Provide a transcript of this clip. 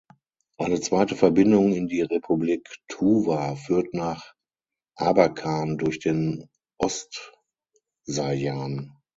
Eine zweite Verbindung in die Republik Tuwa führt von Abakan durch den Ostsajan.